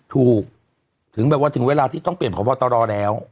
ถูกถึงเวลาที่ต้องเปลี่ยนพบตฯแล้ว